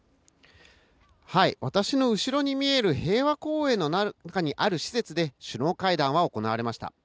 私の後ろに見える平和公園の中にある施設で首脳会談は行われました。